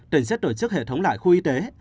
tỉnh sẽ tổ chức hệ thống lại khu y tế